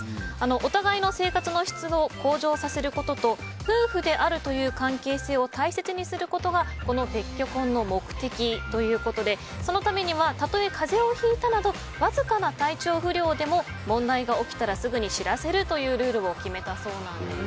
お互いの生活の質を向上させることと夫婦であるという関係性を大切にすることがこの別居婚の目的ということでそのためにはたとえ風邪をひいたなどわずかな体調不良でも問題が起きたらすぐに知らせるというルールを決めたそうなんです。